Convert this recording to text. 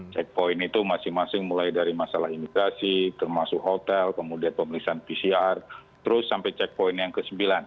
checkpoint itu masing masing mulai dari masalah imigrasi termasuk hotel kemudian pemeriksaan pcr terus sampai checkpoint yang ke sembilan